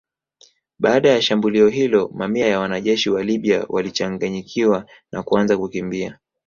Baada ya shambulio hilo mamia ya wanajeshi wa Libya walichanganyikiwa na kuanza kukimbia